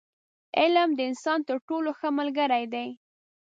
• علم، د انسان تر ټولو ښه ملګری دی.